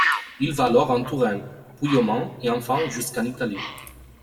Il va alors en Touraine, puis au Mans et enfin jusqu'en Italie.